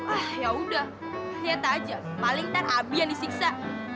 ah yaudah lihat aja paling kan abi yang disiksa